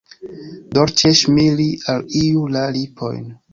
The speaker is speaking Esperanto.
Dolĉe ŝmiri al iu la lipojn.